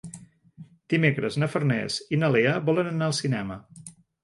Dimecres na Farners i na Lea volen anar al cinema.